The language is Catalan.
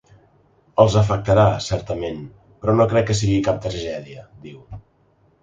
“Els afectarà, certament, però no crec que sigui cap tragèdia”, diu.